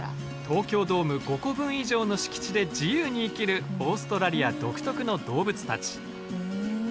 東京ドーム５個分以上の敷地で自由に生きるオーストラリア独特の動物たち。